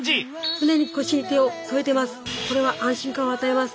常に腰に手を添えてます。